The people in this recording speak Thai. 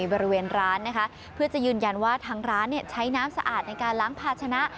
บริเวณร้านนะคะเพื่อจะยืนยันว่าทางร้านใช้น้ำสะอาดในการล้างภาชนะ